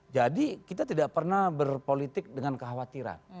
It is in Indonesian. jadi kita tidak pernah berpolitik dengan kekhawatiran